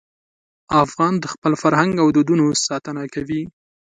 افغان د خپل فرهنګ او دودونو ساتنه کوي.